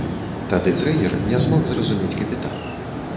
Тады трэнер не змог зразумець капітана.